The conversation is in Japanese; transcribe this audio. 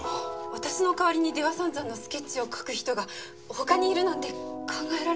私の代わりに出羽三山のスケッチを描く人が他にいるなんて考えられない。